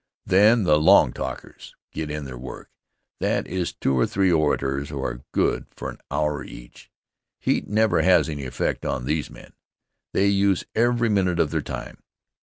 Then the "long talkers" get in their work, that is two or three orators who are good for an hour each. Heat never has any effect on these men. They use every minute of their time.